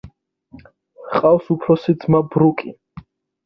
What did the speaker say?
ჰყავს უფროსი ძმა ბრუკი.